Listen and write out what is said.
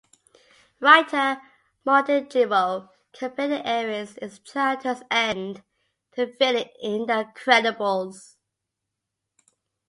Writer Martin Gero compared Ares in "Childhood's End" to a villain in "The Incredibles".